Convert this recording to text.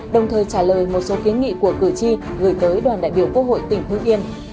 đồng thời trả lời một số kiến nghị của cử tri gửi tới đoàn đại biểu quốc hội tỉnh hưng yên